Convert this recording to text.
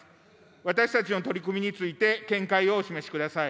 私たちの取り組みについて、見解をお示しください。